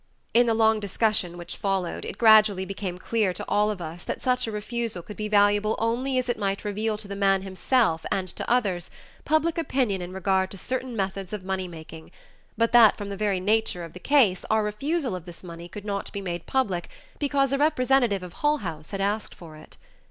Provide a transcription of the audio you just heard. In the long discussion which followed, it gradually became clear to all of us that such a refusal could be valuable only as it might reveal to the man himself and to others, public opinion in regard to certain methods of money making, but that from the very nature of the case our refusal of this money could not be made public because a representative of Hull House had asked for it.